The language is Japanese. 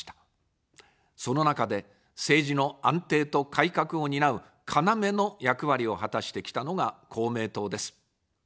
その中で、政治の安定と改革を担う要の役割を果たしてきたのが公明党です。